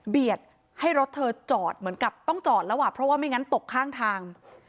ให้รถเธอจอดเหมือนกับต้องจอดแล้วอ่ะเพราะว่าไม่งั้นตกข้างทาง